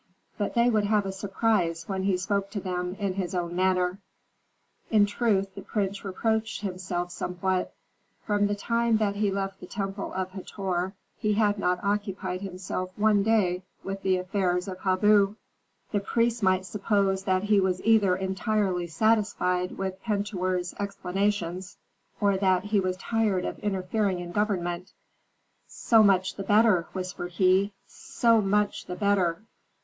But they would have a surprise when he spoke to them in his own manner." In truth the prince reproached himself somewhat. From the time that he left the temple of Hator he had not occupied himself one day with the affairs of Habu. The priests might suppose that he was either entirely satisfied with Pentuer's explanations, or that he was tired of interfering in government. "So much the better!" whispered he. "So much the better!"